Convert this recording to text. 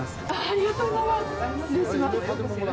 ありがとうございます。